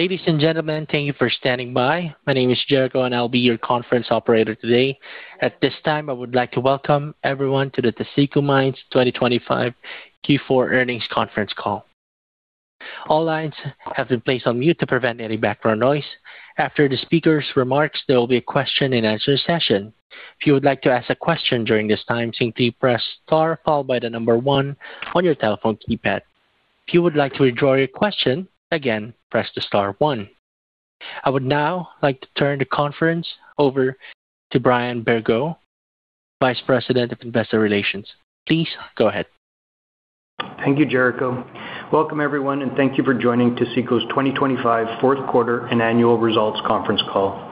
Ladies and gentlemen, thank you for standing by. My name is Jericho, and I'll be your conference operator today. At this time, I would like to welcome everyone to the Taseko Mines 2025 Q4 Earnings Conference Call. All lines have been placed on mute to prevent any background noise. After the speaker's remarks, there will be a question-and-answer session. If you would like to ask a question during this time, simply press star, followed by the number one on your telephone keypad. If you would like to withdraw your question, again, press the star one. I would now like to turn the conference over to Brian Bergot, Vice President of Investor Relations. Please go ahead. Thank you, Jericho. Welcome, everyone, and thank you for joining Taseko's 2025 Fourth Quarter and Annual Results Conference Call.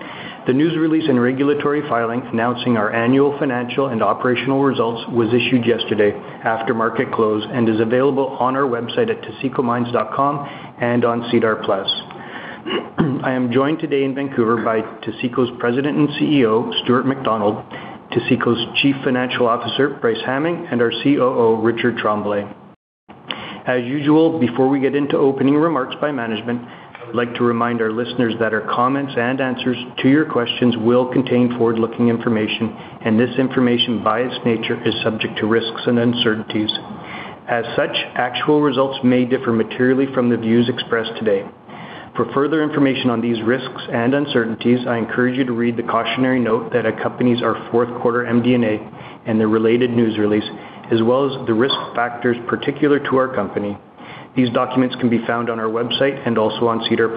The news release and regulatory filing, announcing our annual financial and operational results, was issued yesterday after market close and is available on our website at tasekomines.com and on SEDAR+. I am joined today in Vancouver by Taseko's President and CEO, Stuart McDonald, Taseko's Chief Financial Officer, Bryce Hamming, and our COO, Richard Tremblay. As usual, before we get into opening remarks by management, I would like to remind our listeners that our comments and answers to your questions will contain forward-looking information, and this information, by its nature, is subject to risks and uncertainties. As such, actual results may differ materially from the views expressed today. For further information on these risks and uncertainties, I encourage you to read the cautionary note that accompanies our fourth quarter MD&A and the related news release, as well as the risk factors particular to our company. These documents can be found on our website and also on SEDAR+.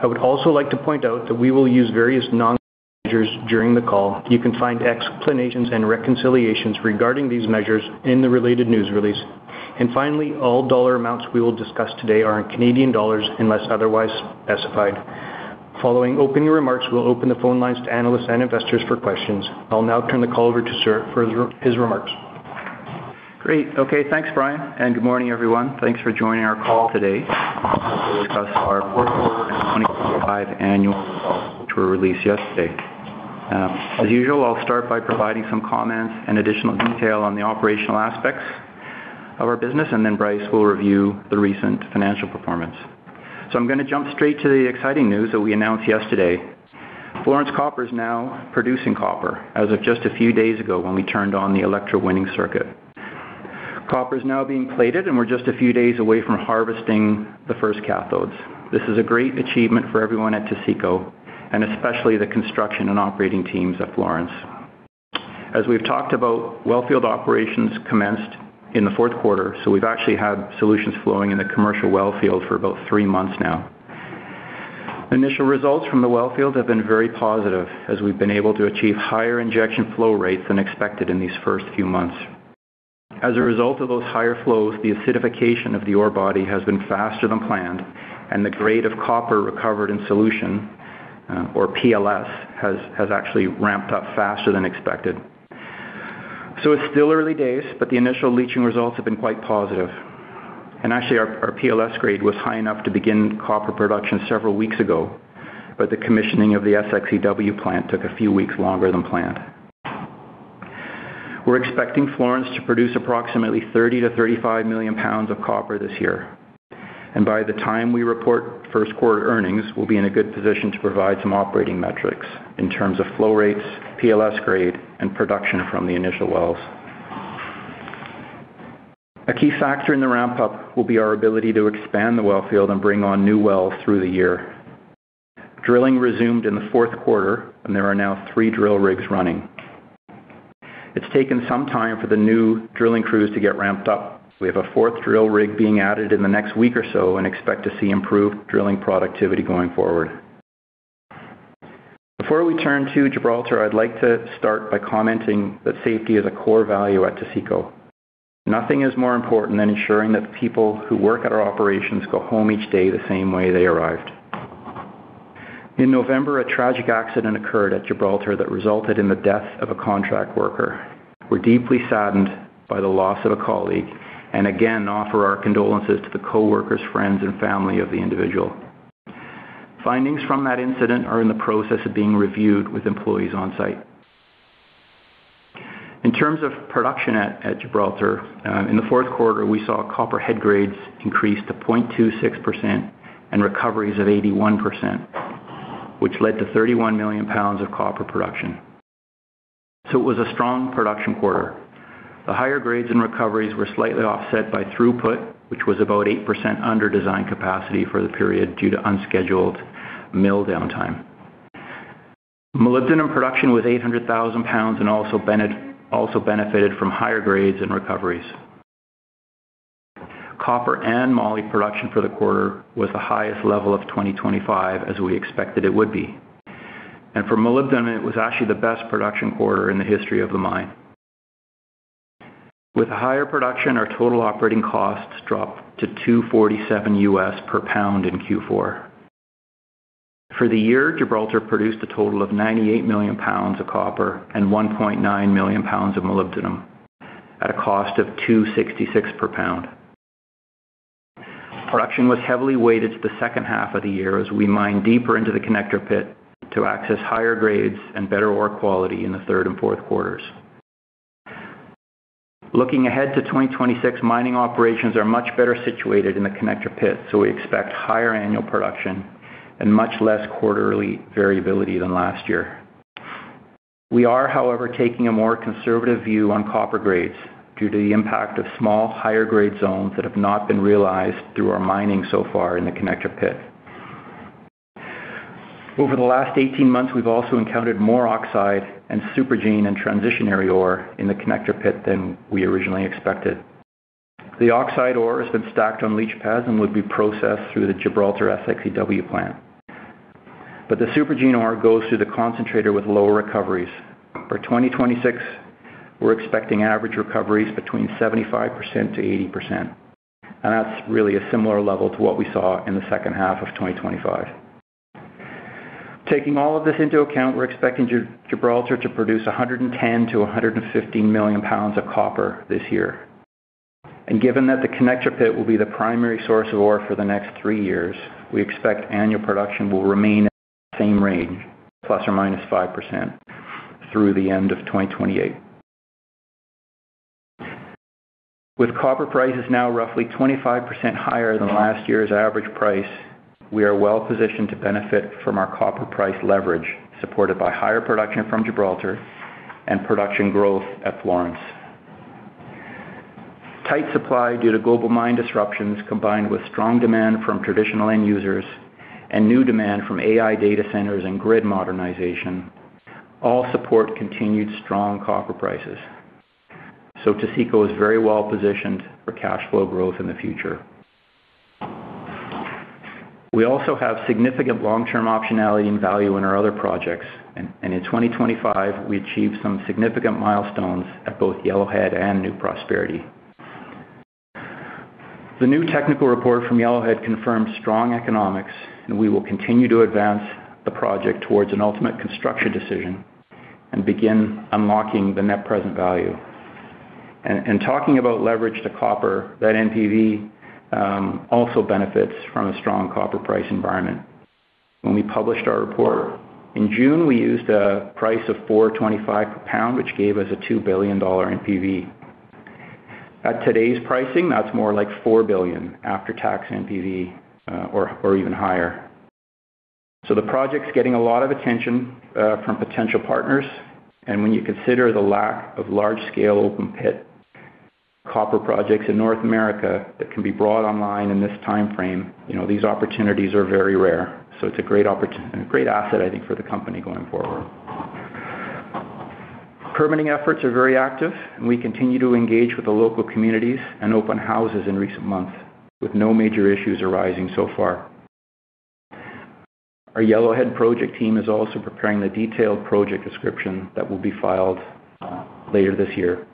I would also like to point out that we will use various non-GAAP measures during the call. You can find explanations and reconciliations regarding these measures in the related news release. And finally, all dollar amounts we will discuss today are in Canadian dollars, unless otherwise specified. Following opening remarks, we'll open the phone lines to analysts and investors for questions. I'll now turn the call over to Stuart for his remarks. Great. Okay, thanks, Brian, and good morning, everyone. Thanks for joining our call today to discuss our fourth quarter 2025 annual results, which were released yesterday. As usual, I'll start by providing some comments and additional detail on the operational aspects of our business, and then Bryce will review the recent financial performance. I'm gonna jump straight to the exciting news that we announced yesterday. Florence Copper is now producing copper as of just a few days ago, when we turned on the electrowinning circuit. Copper is now being plated, and we're just a few days away from harvesting the first cathodes. This is a great achievement for everyone at Taseko, and especially the construction and operating teams at Florence. As we've talked about, wellfield operations commenced in the fourth quarter, so we've actually had solutions flowing in the commercial wellfield for about three months now. Initial results from the wellfield have been very positive, as we've been able to achieve higher injection flow rates than expected in these first few months. As a result of those higher flows, the acidification of the ore body has been faster than planned, and the grade of copper recovered in solution or PLS has actually ramped up faster than expected. So it's still early days, but the initial leaching results have been quite positive. And actually, our PLS grade was high enough to begin copper production several weeks ago, but the commissioning of the SX/EW plant took a few weeks longer than planned. We're expecting Florence to produce approximately 30-35 million pounds of copper this year, and by the time we report first-quarter earnings, we'll be in a good position to provide some operating metrics in terms of flow rates, PLS grade, and production from the initial wells. A key factor in the ramp-up will be our ability to expand the wellfield and bring on new wells through the year. Drilling resumed in the fourth quarter, and there are now 3 drill rigs running. It's taken some time for the new drilling crews to get ramped up. We have a fourth drill rig being added in the next week or so and expect to see improved drilling productivity going forward. Before we turn to Gibraltar, I'd like to start by commenting that safety is a core value at Taseko. Nothing is more important than ensuring that the people who work at our operations go home each day the same way they arrived. In November, a tragic accident occurred at Gibraltar that resulted in the death of a contract worker. We're deeply saddened by the loss of a colleague and again, offer our condolences to the coworkers, friends, and family of the individual. Findings from that incident are in the process of being reviewed with employees on-site. In terms of production at Gibraltar, in the fourth quarter, we saw copper head grades increase to 0.26% and recoveries of 81%, which led to 31 million pounds of copper production. So it was a strong production quarter. The higher grades and recoveries were slightly offset by throughput, which was about 8% under design capacity for the period due to unscheduled mill downtime. Molybdenum production was 800,000 pounds and also benefited from higher grades and recoveries. Copper and moly production for the quarter was the highest level of 2025, as we expected it would be. For molybdenum, it was actually the best production quarter in the history of the mine. With higher production, our total operating costs dropped to $2.47 per pound in Q4. For the year, Gibraltar produced a total of 98 million pounds of copper and 1.9 million pounds of molybdenum at a cost of $2.66 per pound. Production was heavily weighted to the second half of the year as we mined deeper into the Connector pit to access higher grades and better ore quality in the third and fourth quarters. Looking ahead to 2026, mining operations are much better situated in the Connector pit, so we expect higher annual production and much less quarterly variability than last year. We are, however, taking a more conservative view on copper grades due to the impact of small, higher grade zones that have not been realized through our mining so far in the Connector pit. Over the last 18 months, we've also encountered more oxide and supergene and transitional ore in the Connector pit than we originally expected. The oxide ore has been stacked on leach pads and would be processed through the Gibraltar SX/EW plant. But the supergene ore goes through the concentrator with lower recoveries. For 2026, we're expecting average recoveries between 75% to 80%, and that's really a similar level to what we saw in the second half of 2025. Taking all of this into account, we're expecting Gibraltar to produce 110-115 million pounds of copper this year. Given that the Connector pit will be the primary source of ore for the next three years, we expect annual production will remain in the same range, ±5%, through the end of 2028. With copper prices now roughly 25% higher than last year's average price, we are well positioned to benefit from our copper price leverage, supported by higher production from Gibraltar and production growth at Florence. Tight supply due to global mine disruptions, combined with strong demand from traditional end users and new demand from AI data centers and grid modernization, all support continued strong copper prices. Taseko is very well positioned for cash flow growth in the future. We also have significant long-term optionality and value in our other projects, and in 2025, we achieved some significant milestones at both Yellowhead and New Prosperity. The new technical report from Yellowhead confirms strong economics, and we will continue to advance the project towards an ultimate construction decision and begin unlocking the net present value. Talking about leverage to copper, that NPV also benefits from a strong copper price environment. When we published our report in June, we used a price of $4.25 per pound, which gave us a $2 billion NPV. At today's pricing, that's more like $4 billion after-tax NPV, or even higher. So the project's getting a lot of attention from potential partners, and when you consider the lack of large-scale open-pit copper projects in North America that can be brought online in this timeframe, you know, these opportunities are very rare. So it's a great asset, I think, for the company going forward. Permitting efforts are very active, and we continue to engage with the local communities and open houses in recent months, with no major issues arising so far. Our Yellowhead project team is also preparing the detailed project description that will be filed later this year.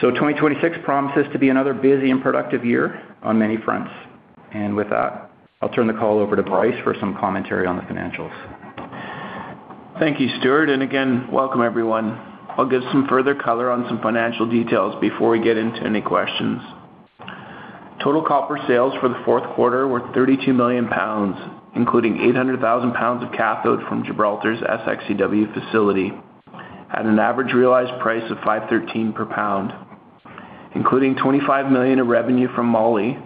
So 2026 promises to be another busy and productive year on many fronts. And with that, I'll turn the call over to Bryce for some commentary on the financials. Thank you, Stuart, and again, welcome everyone. I'll give some further color on some financial details before we get into any questions. Total copper sales for the fourth quarter were 32 million pounds, including 800,000 pounds of cathode from Gibraltar's SX/EW facility, at an average realized price of $5.13 per pound. Including $25 million of revenue from moly,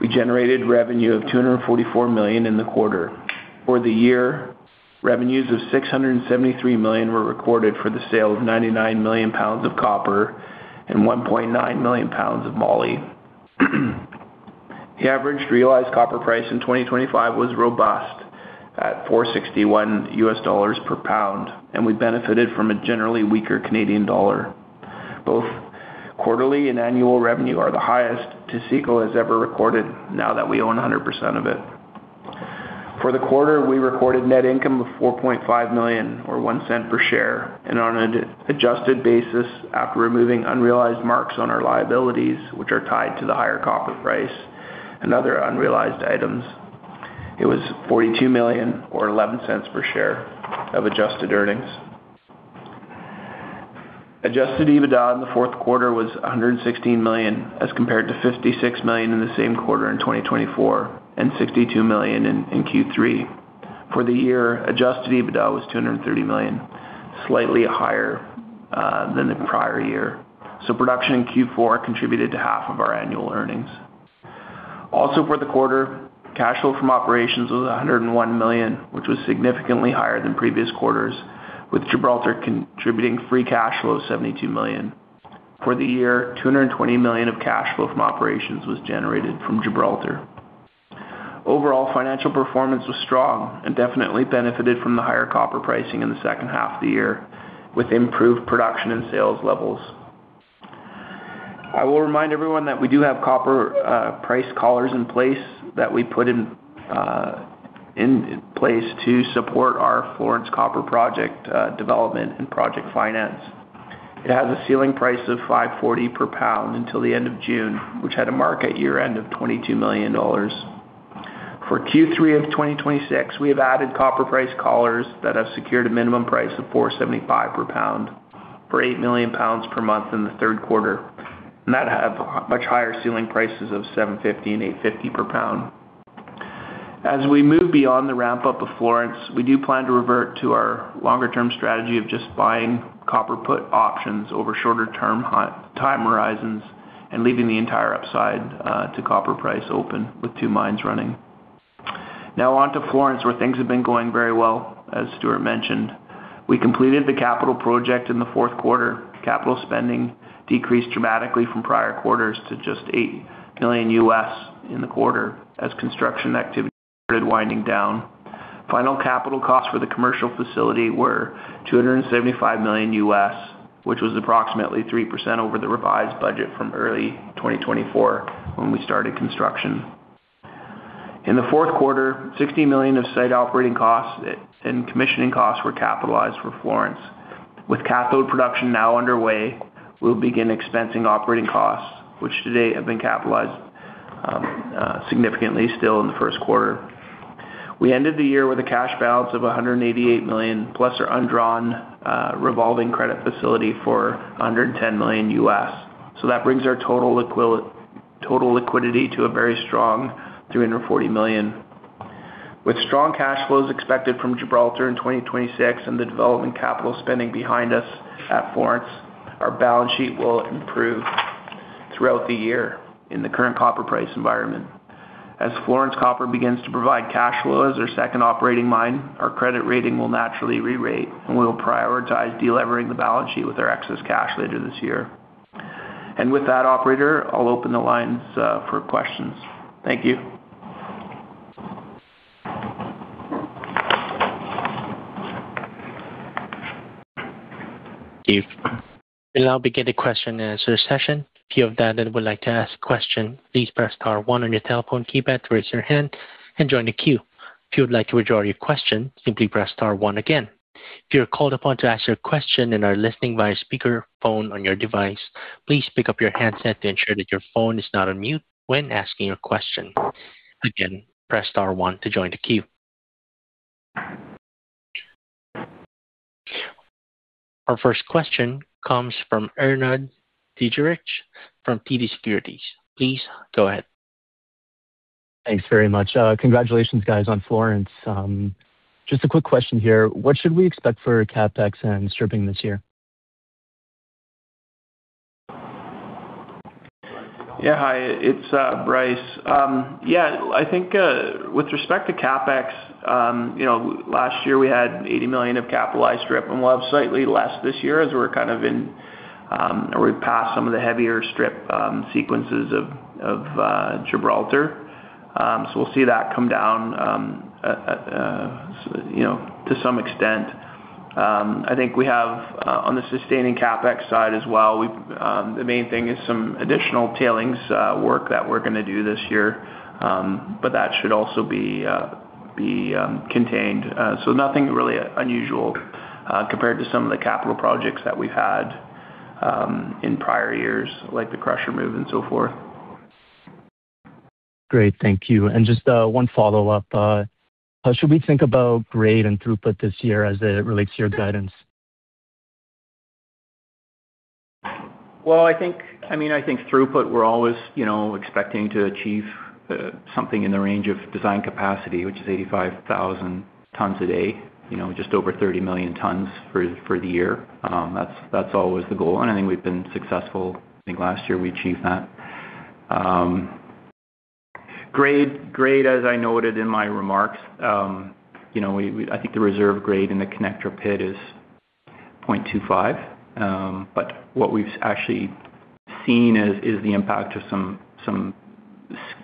we generated revenue of 244 million in the quarter. For the year, revenues of 673 million were recorded for the sale of 99 million pounds of copper and 1.9 million pounds of moly. The average realized copper price in 2025 was robust, at $4.61 per pound, and we benefited from a generally weaker Canadian dollar. Both quarterly and annual revenue are the highest Taseko has ever recorded now that we own 100% of it. For the quarter, we recorded net income of 4.5 million, or 0.01 per share, and on an adjusted basis, after removing unrealized marks on our liabilities, which are tied to the higher copper price and other unrealized items, it was 42 million or 0.11 per share of adjusted earnings. Adjusted EBITDA in the fourth quarter was 116 million, as compared to 56 million in the same quarter in 2024, and 62 million in Q3. For the year, adjusted EBITDA was 230 million, slightly higher than the prior year. So production in Q4 contributed to half of our annual earnings. Also, for the quarter, cash flow from operations was 101 million, which was significantly higher than previous quarters, with Gibraltar contributing free cash flow of 72 million. For the year, 220 million of cash flow from operations was generated from Gibraltar. Overall, financial performance was strong and definitely benefited from the higher copper pricing in the second half of the year, with improved production and sales levels. I will remind everyone that we do have copper price collars in place, that we put in place to support our Florence Copper Project development and project finance. It has a ceiling price of $5.40 per pound until the end of June, which had a mark-to-market at year-end of $22 million. For Q3 of 2026, we have added copper price collars that have secured a minimum price of $4.75 per pound for 8 million pounds per month in the third quarter, and that have much higher ceiling prices of $7.50 and $8.50 per pound. As we move beyond the ramp-up of Florence, we do plan to revert to our longer-term strategy of just buying copper put options over shorter-term time horizons and leaving the entire upside to copper price open with two mines running. Now on to Florence, where things have been going very well, as Stuart mentioned. We completed the capital project in the fourth quarter. Capital spending decreased dramatically from prior quarters to just $8 million in the quarter as construction activity started winding down. Final capital costs for the commercial facility were $275 million, which was approximately 3% over the revised budget from early 2024, when we started construction. In the fourth quarter, $60 million of site operating costs and commissioning costs were capitalized for Florence. With cathode production now underway, we'll begin expensing operating costs, which today have been capitalized, significantly still in the first quarter. We ended the year with a cash balance of 188 million, plus our undrawn, revolving credit facility for $110 million. So that brings our total liquidity to a very strong 340 million. With strong cash flows expected from Gibraltar in 2026 and the development capital spending behind us at Florence, our balance sheet will improve throughout the year in the current copper price environment. As Florence Copper begins to provide cash flows, our second operating mine, our credit rating, will naturally rerate, and we'll prioritize delevering the balance sheet with our excess cash later this year. With that, operator, I'll open the lines for questions. Thank you. Thank you. We'll now begin the question and answer session. If you have that and would like to ask a question, please press star one on your telephone keypad to raise your hand and join the queue. If you would like to withdraw your question, simply press star one again. If you're called upon to ask your question and are listening via speakerphone on your device, please pick up your handset to ensure that your phone is not on mute when asking your question. Again, press star one to join the queue. Our first question comes from Arnold Dietrich from TD Securities. Please go ahead. Thanks very much. Congratulations, guys, on Florence. Just a quick question here: What should we expect for CapEx and stripping this year? Yeah, hi, it's Bryce. Yeah, I think with respect to CapEx, you know, last year we had 80 million of capitalized strip, and we'll have slightly less this year as we're kind of in or we're past some of the heavier strip sequences of Gibraltar. So we'll see that come down, you know, to some extent. I think we have on the sustaining CapEx side as well, we've the main thing is some additional tailings work that we're going to do this year, but that should also be contained. So nothing really unusual compared to some of the capital projects that we've had in prior years, like the crusher move and so forth. Great. Thank you. Just one follow-up, how should we think about grade and throughput this year as it relates to your guidance? Well, I think, I mean, I think throughput, we're always, you know, expecting to achieve something in the range of design capacity, which is 85,000 tonnes a day, you know, just over 30 million tonnes for the year. That's always the goal, and I think we've been successful. I think last year we achieved that. Grade, as I noted in my remarks, you know, we, we—I think the reserve grade in the Connector pit is 0.25. But what we've actually seen is the impact of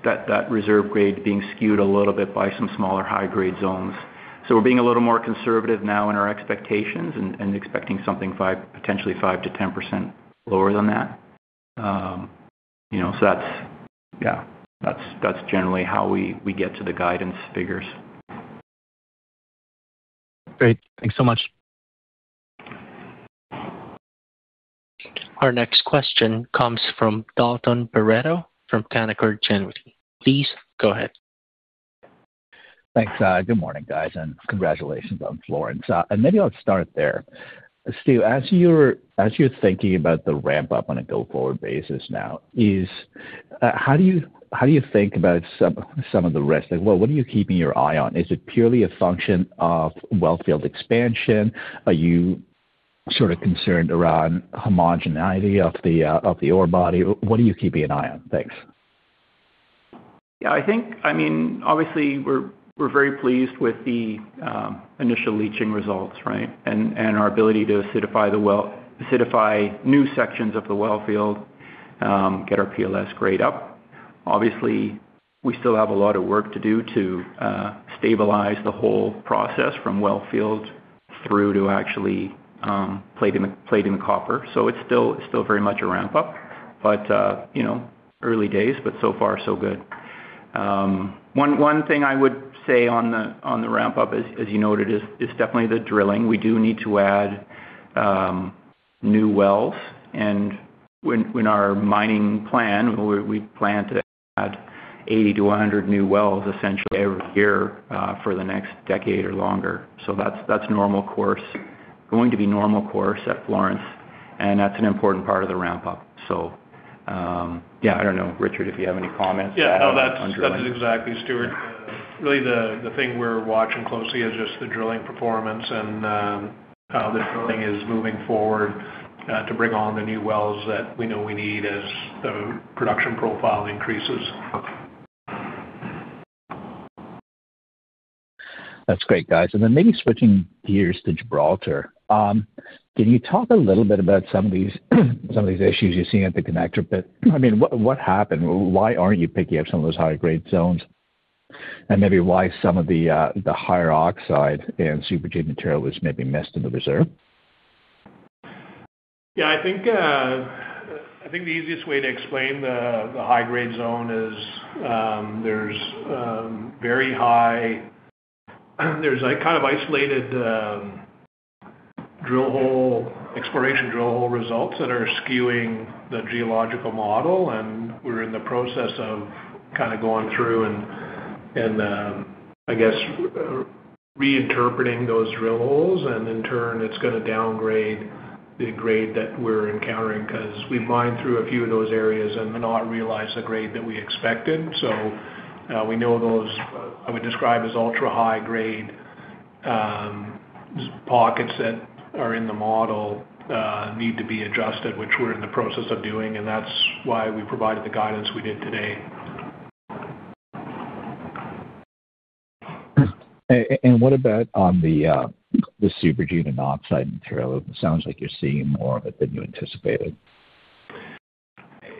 that reserve grade being skewed a little bit by some smaller high-grade zones. So we're being a little more conservative now in our expectations and expecting, potentially 5%-10% lower than that. You know, so that's generally how we get to the guidance figures. Great. Thanks so much. Our next question comes from Dalton Baretto, from Canaccord Genuity. Please go ahead. Thanks. Good morning, guys, and congratulations on Florence. And maybe I'll start there. Stu, as you're thinking about the ramp-up on a go-forward basis now, is how do you think about some of the risk? Like, what are you keeping your eye on? Is it purely a function of wellfield expansion? Are you sort of concerned around homogeneity of the ore body? What are you keeping an eye on? Thanks. Yeah, I think, I mean, obviously, we're very pleased with the initial leaching results, right? And our ability to acidify new sections of the wellfield, get our PLS grade up. Obviously, we still have a lot of work to do to stabilize the whole process from wellfield through to actually plating the copper. So it's still very much a ramp-up, but you know, early days, but so far, so good. One thing I would say on the ramp-up as you noted is definitely the drilling. We do need to add new wells, and in our mining plan, we plan to add 80-100 new wells essentially every year for the next decade or longer. So that's normal course. Going to be normal course at Florence, and that's an important part of the ramp-up, so. Yeah, I don't know, Richard, if you have any comments? Yeah. No, that's exactly, Stuart. Really, the thing we're watching closely is just the drilling performance and how the drilling is moving forward to bring on the new wells that we know we need as the production profile increases. That's great, guys. And then maybe switching gears to Gibraltar. Can you talk a little bit about some of these, some of these issues you're seeing at the Connector? But, I mean, what, what happened? Why aren't you picking up some of those high-grade zones? And maybe why some of the, the higher oxide and supergene material was maybe missed in the reserve. Yeah, I think, I think the easiest way to explain the high-grade zone is, there's very high—There's, like, isolated, drill hole exploration drill hole results that are skewing the geological model, and we're in the process of kind of going through and, I guess, reinterpreting those drill holes, and in turn, it's gonna downgrade the grade that we're encountering, 'cause we mined through a few of those areas and did not realize the grade that we expected. So, we know those, I would describe, as ultra-high grade, pockets that are in the model, need to be adjusted, which we're in the process of doing, and that's why we provided the guidance we did today. What about on the, the supergene and oxide material? It sounds like you're seeing more of it than you anticipated.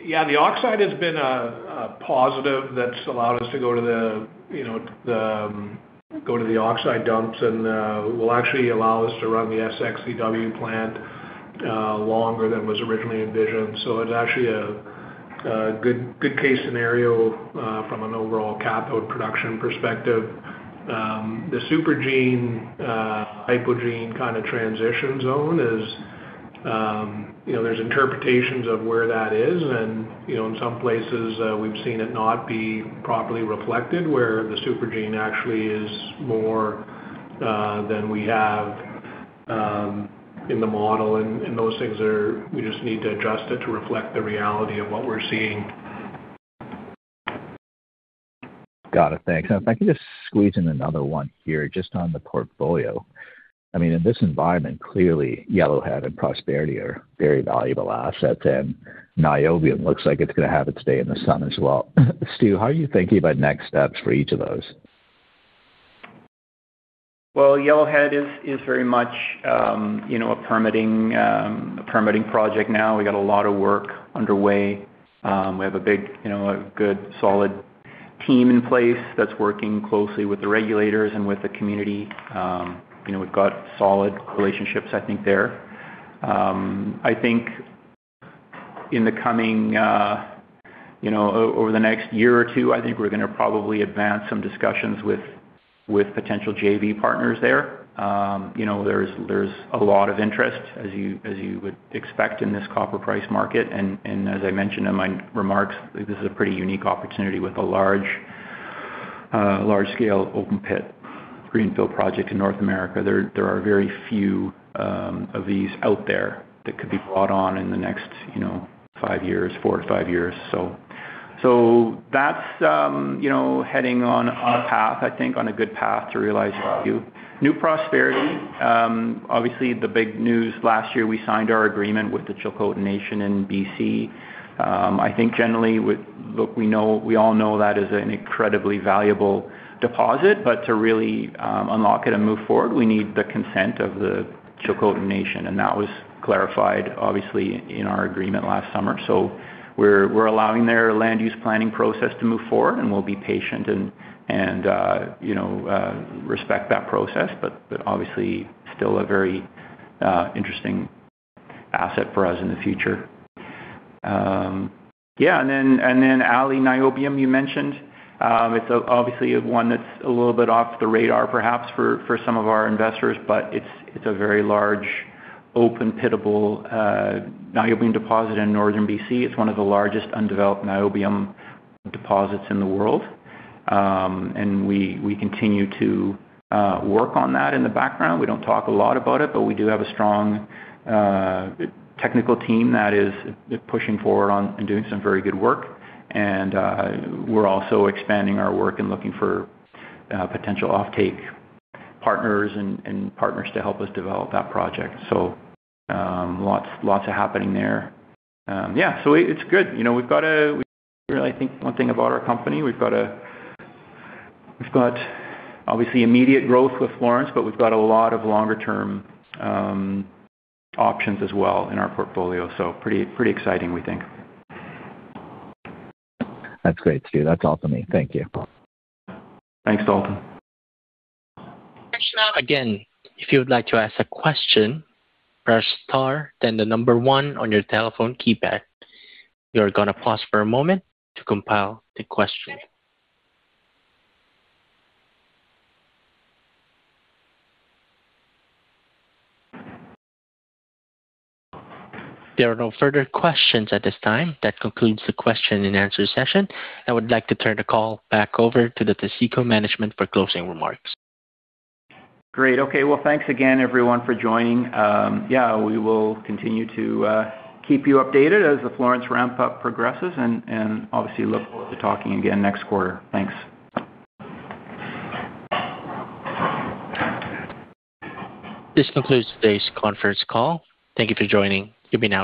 Yeah, the oxide has been a positive that's allowed us to go to the, you know, go to the oxide dumps, and will actually allow us to run the SX/EW plant longer than was originally envisioned. So it's actually a good case scenario from an overall cathode production perspective. The supergene-hypogene kind of transition zone is, you know, there's interpretations of where that is, and, you know, in some places, we've seen it not be properly reflected, where the supergene actually is more than we have in the model, and those things are, we just need to adjust it to reflect the reality of what we're seeing. Got it. Thanks. And if I could just squeeze in another one here, just on the portfolio. I mean, in this environment, clearly, Yellowhead and Prosperity are very valuable assets, and Niobium looks like it's gonna have its day in the sun as well. Stu, how are you thinking about next steps for each of those? Well, Yellowhead is very much, you know, a permitting project now. We got a lot of work underway. We have a big, you know, a good, solid team in place that's working closely with the regulators and with the community. You know, we've got solid relationships, I think, there. I think in the coming, you know, over the next year or two, I think we're gonna probably advance some discussions with potential JV partners there. You know, there's a lot of interest, as you would expect in this copper price market. And as I mentioned in my remarks, this is a pretty unique opportunity with a large, large-scale open pit greenfield project in North America. There are very few of these out there that could be brought on in the next, you know, five years, four-five years. So that's, you know, heading on a path, I think, on a good path to realize value. New Prosperity, obviously, the big news last year, we signed our agreement with the Tŝilhqot'in Nation in BC. I think generally with. Look, we know, we all know that is an incredibly valuable deposit, but to really, unlock it and move forward, we need the consent of the Tŝilhqot'in Nation, and that was clarified, obviously, in our agreement last summer. So we're allowing their land use planning process to move forward, and we'll be patient and, you know, respect that process, but obviously, still a very interesting asset for us in the future. Yeah, and then, and then Aley Niobium, you mentioned. It's obviously one that's a little bit off the radar, perhaps, for some of our investors, but it's a very large, open-pittable niobium deposit in northern BC. It's one of the largest undeveloped niobium deposits in the world. And we continue to work on that in the background. We don't talk a lot about it, but we do have a strong technical team that is pushing forward on and doing some very good work. And we're also expanding our work and looking for potential offtake partners and partners to help us develop that project. So, lots are happening there. Yeah, so it, it's good. You know, we've got a, I think one thing about our company, we've got a, we've got, obviously, immediate growth with Florence, but we've got a lot of longer-term options as well in our portfolio, so pretty, pretty exciting, we think. That's great, Stu. That's all for me. Thank you. Thanks, Dalton. Now, again, if you would like to ask a question, press star, then 1 on your telephone keypad. We are gonna pause for a moment to compile the question. There are no further questions at this time. That concludes the question and answer session. I would like to turn the call back over to the Taseko management for closing remarks. Great. Okay. Well, thanks again, everyone, for joining. Yeah, we will continue to keep you updated as the Florence ramp-up progresses and obviously look forward to talking again next quarter. Thanks. This concludes today's conference call. Thank you for joining. You may now disconnect.